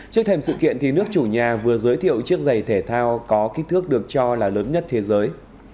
trước thêm sự kiện thì nước chủ nhà vừa giới thiệu chiếc giày thể thao có kích thước được cho là lớn nhất thế giới